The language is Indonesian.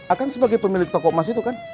akan sebagai pemilik toko emas itu kan